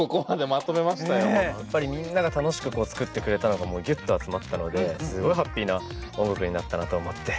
やっぱりみんなが楽しく作ってくれたのがギュッと集まったのですごいハッピーな音楽になったなと思って。